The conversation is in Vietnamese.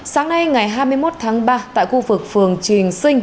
sáng nay ngày hai mươi một tháng ba tại khu vực phường triền sinh